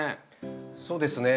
そうですね。